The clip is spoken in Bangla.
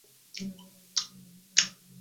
কুমার, ওদিকে দেখ।